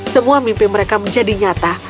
semua mimpi mereka menjadi nyata